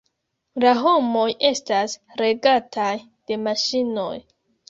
La homoj estas regataj de maŝinoj.